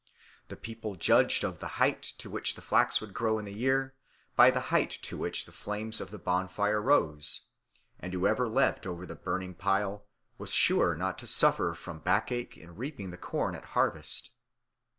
The people judged of the height to which the flax would grow in the year by the height to which the flames of the bonfire rose; and whoever leaped over the burning pile was sure not to suffer from backache in reaping the corn at harvest.